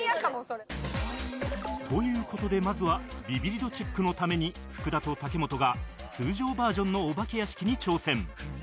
という事でまずはビビリ度チェックのために福田と武元が通常バージョンのお化け屋敷に挑戦